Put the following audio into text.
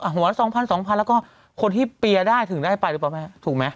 หัวละ๒๐๐๐๒๐๐๐แล้วก็คนที่เปียร์ได้ถึงได้ไปดูปะแม่ถูกไหม